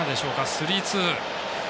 スリーツー。